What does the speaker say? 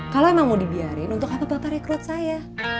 kalau emang mau dibiarin untuk apa apa rekrut saya